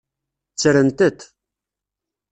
Ttrent-t.